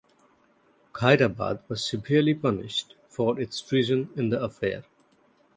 Khairabad was severely punished for its treason in the affair.